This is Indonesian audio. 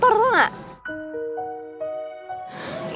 masih kotor tau gak